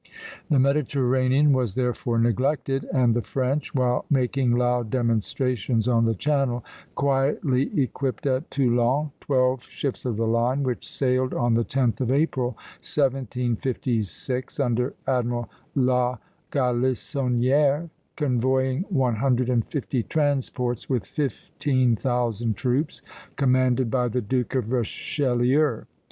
The Mediterranean was therefore neglected; and the French, while making loud demonstrations on the Channel, quietly equipped at Toulon twelve ships of the line, which sailed on the 10th of April, 1756, under Admiral la Galissonière, convoying one hundred and fifty transports with fifteen thousand troops, commanded by the Duke of Richelieu.